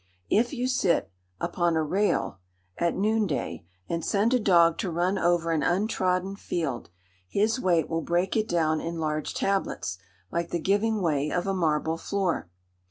If you "sit upon a rail" at noon day, and send a dog to run over an untrodden field, his weight will break it down in large tablets, like the giving way of a marble floor.